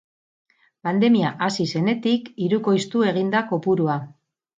Pandemia hasi zenetik hirukoiztu egin da kopurua.